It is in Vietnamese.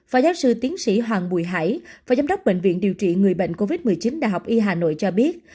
phó giáo sư tiến sĩ hoàng bùi hải và giám đốc bệnh viện điều trị người bệnh covid một mươi chín đh y hà nội cho biết